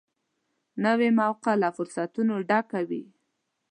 نوې موقعه له فرصتونو ډکه وي